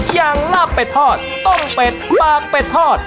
ลาบเป็ดทอดต้มเป็ดปากเป็ดทอด